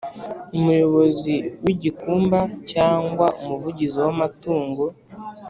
Umuyobozi w’igikumba cyangwa umuvuzi w’amatungo